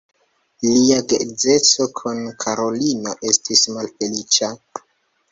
Lia geedzeco kun Karolino estis malfeliĉa.